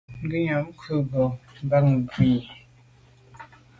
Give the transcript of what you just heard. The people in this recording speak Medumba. Ngùnyàm kwé ngo’ bàn bu i,